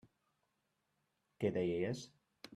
Què deies?